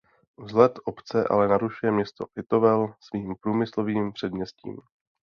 Vzhled obce ale narušuje město Litovel svým průmyslovým předměstím.